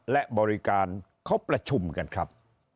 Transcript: และบริการเขาประชุมกันครับ